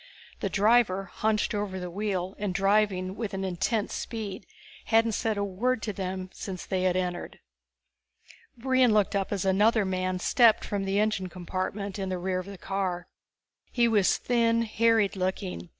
The driver, hunched over the wheel and driving with an intense speed, hadn't said a word to them since they had entered. Brion looked up as another man stepped from the engine compartment in the rear of the car. He was thin, harried looking.